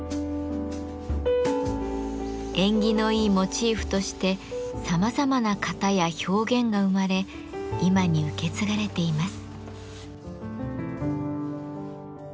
縁起のいいモチーフとしてさまざまな型や表現が生まれ今に受け継がれています。